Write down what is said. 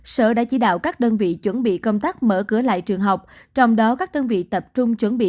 sở đã chỉ đạo các đơn vị chuẩn bị công tác mở cửa lại trường học trong đó các đơn vị tập trung chuẩn bị